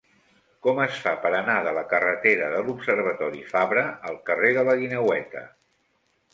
Com es fa per anar de la carretera de l'Observatori Fabra al carrer de la Guineueta?